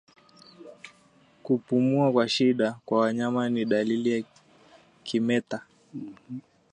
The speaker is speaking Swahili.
Kupumua kwa shida kwa wanyama ni dalili ya kimeta